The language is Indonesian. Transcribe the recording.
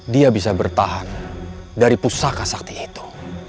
dia bisa bertahan dari pusaka sakti itu